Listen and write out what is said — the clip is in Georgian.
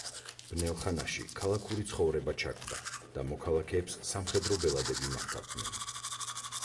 ბნელ ხანაში ქალაქური ცხოვრება ჩაკვდა და მოქალაქეებს სამხედრო ბელადები მართავდნენ.